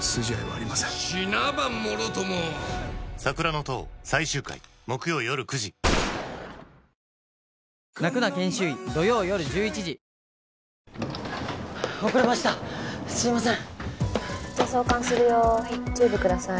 ああすいません。